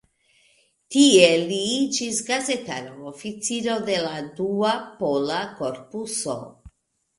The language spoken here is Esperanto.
Tie li iĝis gazetara oficiro de la Dua Pola Korpuso.